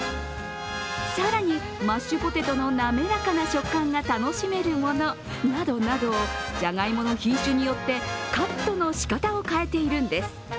更にマッシュポテトのなめらかな食感が楽しめるものなどなど、じゃがいもの品種によってカットのしかたを変えているんです。